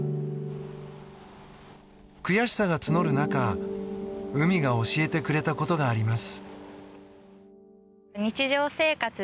悔しさが募る中、海が教えてくれたことがあります。